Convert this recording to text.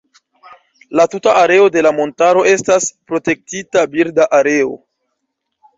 La tuta areo de la montaro estas Protektita birda areo.